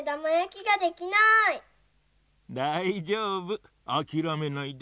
だいじょうぶあきらめないで。